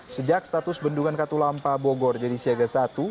sejak status bendungan katulampa bogor jadi siaga satu